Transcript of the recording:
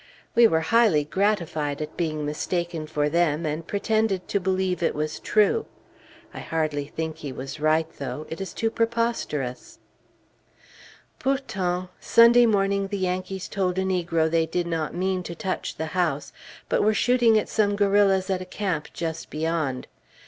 We were highly gratified at being mistaken for them, and pretended to believe it was true. I hardly think he was right, though; it is too preposterous. Pourtant, Sunday morning the Yankees told a negro they did not mean to touch the house, but were shooting at some guerrillas at a camp just beyond.